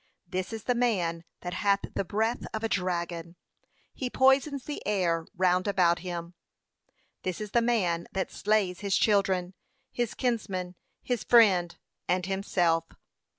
This is the man that hath the breath of a dragon; he poisons the air round about him. This is the man that slays his children, his kinsmen, his friend, and himself.